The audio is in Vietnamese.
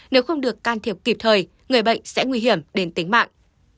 nếu không được can thiệp kịp thời người bệnh sẽ nguy hiểm đến tính mạng